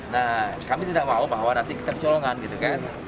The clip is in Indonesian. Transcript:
nah kami tidak mau bahwa nanti ketercolongan gitu kan